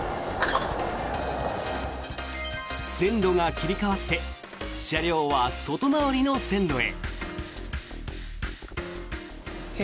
線路が切り替わって車両は外回りの線路へ。